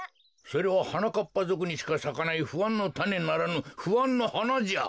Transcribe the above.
それははなかっぱぞくにしかさかないふあんのたねならぬふあんのはなじゃ。